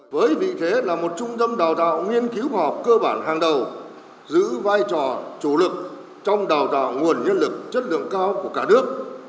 với vị thế là một trung tâm đào tạo nghiên cứu khoa học cơ bản hàng đầu giữ vai trò chủ lực trong đào tạo nguồn nhân lực chất lượng cao của cả nước